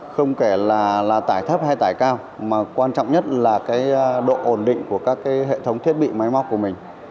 không kể là tải thấp hay tải cao mà quan trọng nhất là độ ổn định của các hệ thống thiết bị máy móc của mình